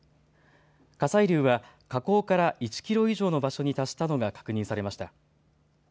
火砕流は火口から１キロ以上の場所に達したのが確認されました。